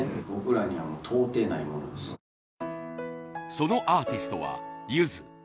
そのアーティストはゆず。